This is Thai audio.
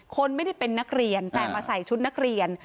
คนไม่ได้เป็นนักเรียนแต่มาใส่ชุดนักเรียน